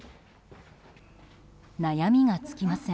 悩みが尽きません。